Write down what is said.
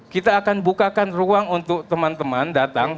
kita akan bukakan ruang untuk teman teman datang